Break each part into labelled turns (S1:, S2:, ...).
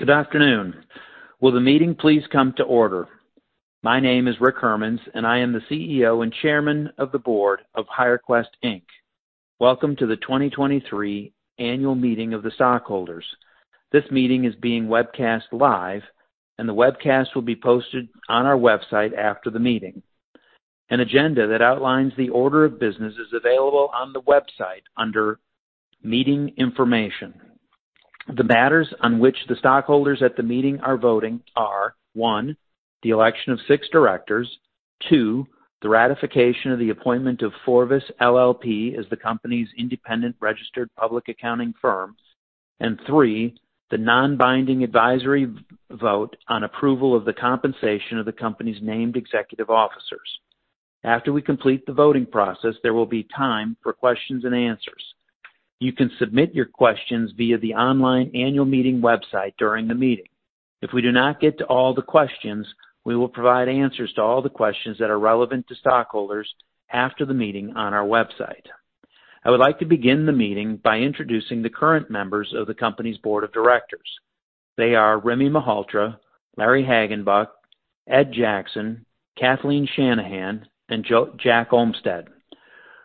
S1: Good afternoon. Will the meeting please come to order? My name is Rick Hermanns, and I am the CEO and Chairman of the Board of HireQuest, Inc. Welcome to the 2023 Annual Meeting of the Stockholders. This meeting is being webcast live, and the webcast will be posted on our website after the meeting. An agenda that outlines the order of business is available on the website under Meeting Information. The matters on which the stockholders at the meeting are voting are: 1, the election of 6 directors; 2, the ratification of the appointment of Forvis, LLP, as the company's independent registered public accounting firm; and 3, the non-binding advisory vote on approval of the compensation of the company's named executive officers. After we complete the voting process, there will be time for questions and answers. You can submit your questions via the online annual meeting website during the meeting. If we do not get to all the questions, we will provide answers to all the questions that are relevant to stockholders after the meeting on our website. I would like to begin the meeting by introducing the current members of the company's board of directors. They are Rimmy Malhotra, Larry Hagenbuch, Ed Jackson, Kathleen Shanahan, and Jack Olmstead.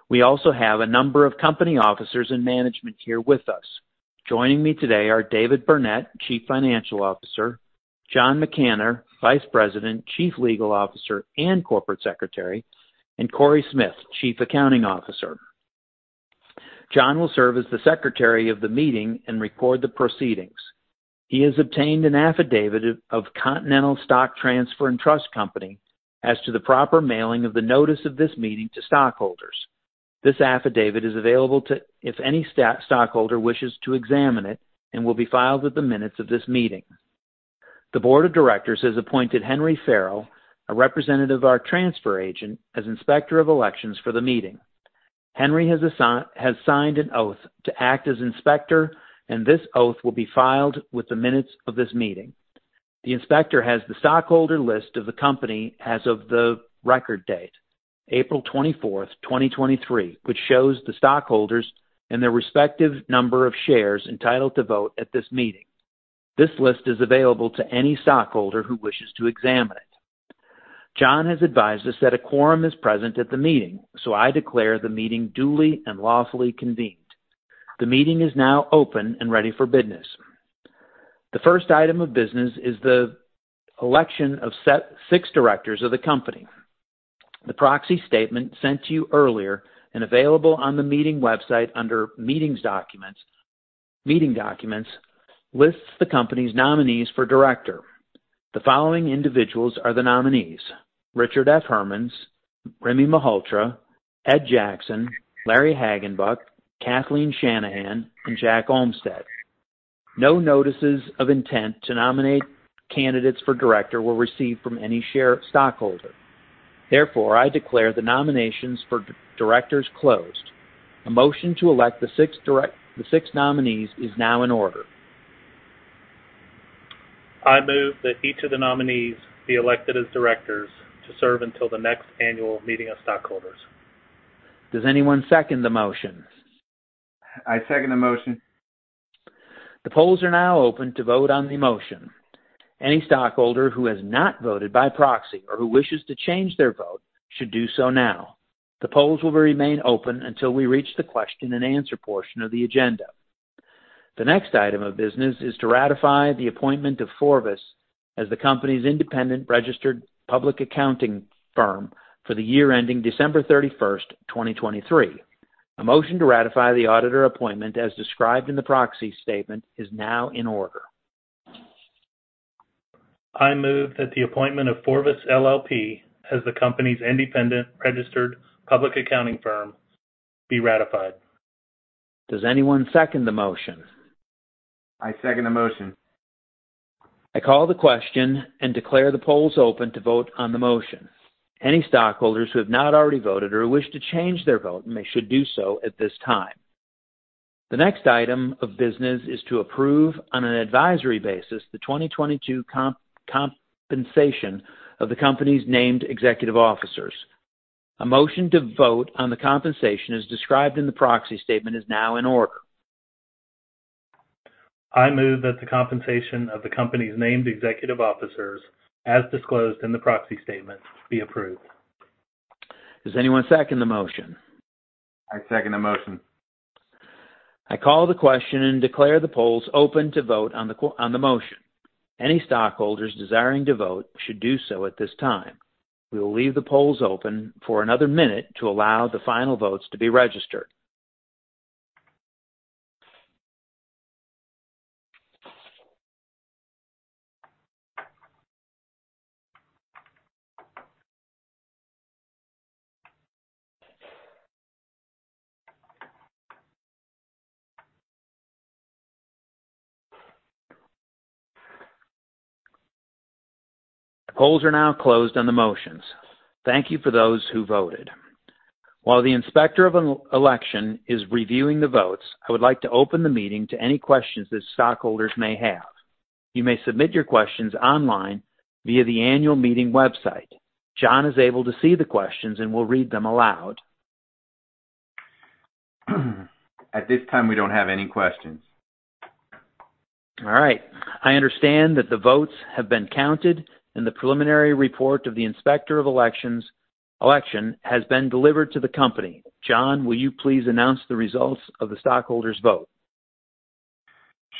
S1: We also have a number of company officers and management here with us. Joining me today are David Burnett, Chief Financial Officer, John McConnaughay, Vice President, Chief Legal Officer, and Corporate Secretary, and Cory Smith, Chief Accounting Officer. John will serve as the secretary of the meeting and record the proceedings. He has obtained an affidavit of Continental Stock Transfer and Trust Company as to the proper mailing of the notice of this meeting to stockholders. This affidavit is available if any stockholder wishes to examine it, and will be filed with the minutes of this meeting. The board of directors has appointed Henry Farrell, a representative of our transfer agent, as Inspector of Elections for the meeting. Henry has signed an oath to act as inspector, and this oath will be filed with the minutes of this meeting. The inspector has the stockholder list of the company as of the record date, April 24th, 2023, which shows the stockholders and their respective number of shares entitled to vote at this meeting. This list is available to any stockholder who wishes to examine it. John has advised us that a quorum is present at the meeting. I declare the meeting duly and lawfully convened. The meeting is now open and ready for business. The first item of business is the election of six directors of the company. The proxy statement sent to you earlier, and available on the meeting website under Meeting Documents, lists the company's nominees for director. The following individuals are the nominees: Richard K. Hermanns, Rimmy Malhotra, Ed Jackson, Larry Hagenbuch, Kathleen Shanahan, and Jack Olmstead. No notices of intent to nominate candidates for director were received from any stockholder. I declare the nominations for directors closed. A motion to elect the six nominees is now in order.
S2: I move that each of the nominees be elected as directors to serve until the next annual meeting of stockholders.
S1: Does anyone second the motion?
S3: I second the motion.
S1: The polls are now open to vote on the motion. Any stockholder who has not voted by proxy or who wishes to change their vote should do so now. The polls will remain open until we reach the question and answer portion of the agenda. The next item of business is to ratify the appointment of Forvis as the company's independent registered public accounting firm for the year ending December 31st, 2023. A motion to ratify the auditor appointment as described in the proxy statement is now in order.
S2: I move that the appointment of Forvis, LLP, as the company's independent registered public accounting firm, be ratified.
S1: Does anyone second the motion?
S3: I second the motion.
S1: I call the question and declare the polls open to vote on the motion. Any stockholders who have not already voted or wish to change their vote should do so at this time. The next item of business is to approve, on an advisory basis, the 2022 compensation of the company's named executive officers. A motion to vote on the compensation, as described in the proxy statement, is now in order.
S2: I move that the compensation of the company's named executive officers, as disclosed in the proxy statement, be approved.
S1: Does anyone second the motion?
S3: I second the motion.
S1: I call the question and declare the polls open to vote on the motion. Any stockholders desiring to vote should do so at this time. We will leave the polls open for another minute to allow the final votes to be registered. The polls are now closed on the motions. Thank you for those who voted. While the Inspector of Elections is reviewing the votes, I would like to open the meeting to any questions that stockholders may have. You may submit your questions online via the annual meeting website. John is able to see the questions and will read them aloud.
S3: At this time, we don't have any questions.
S1: All right. I understand that the votes have been counted and the preliminary report of the Inspector of Election has been delivered to the company. John, will you please announce the results of the stockholders' vote?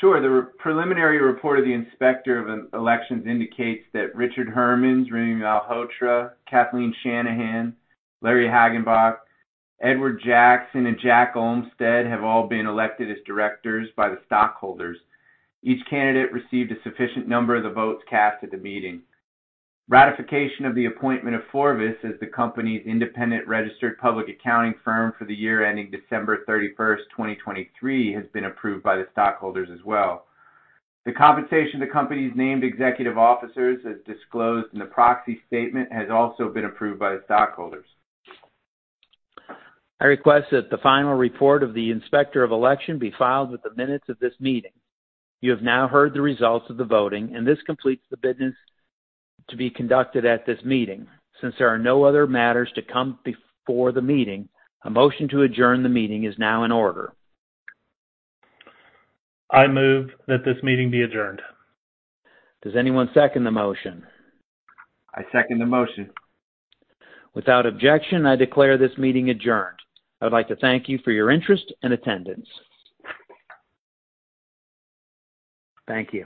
S3: Sure. The preliminary report of the Inspector of Elections indicates that Richard Hermanns, R. Rimmy Malhotra, Kathleen Shanahan, Larry Hagenbuch, Edward Jackson, and Jack A. Olmstead have all been elected as directors by the stockholders. Each candidate received a sufficient number of the votes cast at the meeting. Ratification of the appointment of Forvis as the company's independent registered public accounting firm for the year ending December 31st, 2023, has been approved by the stockholders as well. The compensation the company's named executive officers, as disclosed in the proxy statement, has also been approved by the stockholders.
S1: I request that the final report of the Inspector of Election be filed with the minutes of this meeting. You have now heard the results of the voting, this completes the business to be conducted at this meeting. Since there are no other matters to come before the meeting, a motion to adjourn the meeting is now in order.
S2: I move that this meeting be adjourned.
S1: Does anyone second the motion?
S3: I second the motion.
S1: Without objection, I declare this meeting adjourned. I'd like to thank you for your interest and attendance. Thank you.